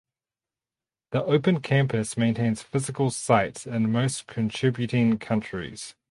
The Open Campus maintains physical sites in most contributing countries.